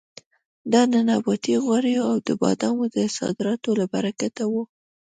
دا د نباتي غوړیو او د بادامو د صادراتو له برکته وه.